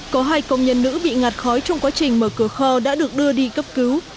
có hai công nhân nữ bị ngạt khói trong quá trình mở cửa kho đã được đưa đi cấp cứu